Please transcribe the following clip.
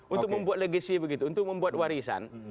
untuk membuat legasi begitu untuk membuat warisan